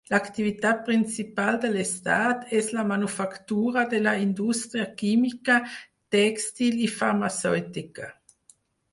L'activitat principal de l'estat és la manufactura de la indústria química, tèxtil i farmacèutica.